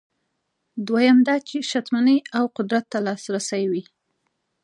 دویم دا چې شتمنۍ او قدرت ته لاسرسی وي.